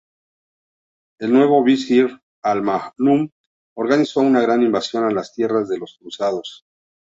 El nuevo visir, Al-Ma'mum, organizó una gran invasión a las tierras de los cruzados.